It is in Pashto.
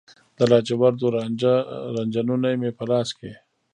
د لاجوردو رنجه نوني مې په لاس کې